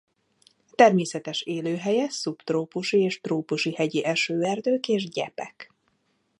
A természetes élőhelye szubtrópusi és trópusi hegyi esőerdők és gyepek.